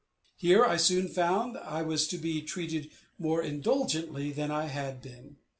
Here I soon found I was to be treated more indulgently than I had been.